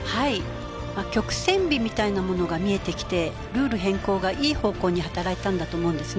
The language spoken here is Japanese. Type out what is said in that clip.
曲線美みたいなものが見えてきてルール変更がいい方向に働いたんだと思うんですね。